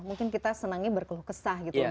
mungkin kita senangnya berkeluh kesah gitu